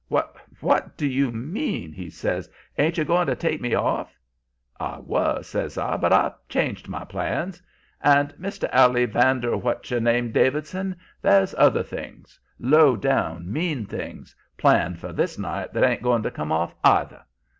"'What what do you mean?' he says. 'Ain't you goin' to take me off?' "'I was,' says I, 'but I've changed my plans. And, Mr. Allie Vander what's your name Davidson, there's other things low down, mean things planned for this night that ain't going to come off, either.